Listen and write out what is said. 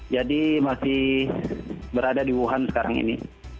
jadi masih berada di wuhan sekarang ini